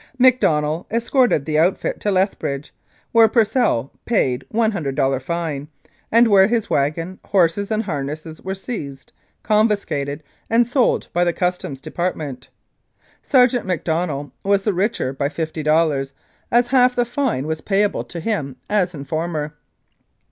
Macdonell escorted the outfit to Leth bridge, where Percel paid $100 fine, and where his wagon, horses and harness were seized, confiscated and sold by the Customs Department. Sergeant Macdonell was the richer by fifty dollars, as half the fine was payable to him as informer.